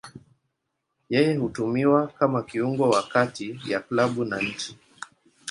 Yeye hutumiwa kama kiungo wa kati ya klabu na nchi.